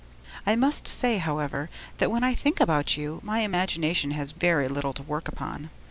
I must say, however, that when I think about you, my imagination has very little to work upon.